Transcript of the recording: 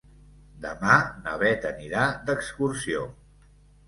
Demà na Bet anirà d'excursió.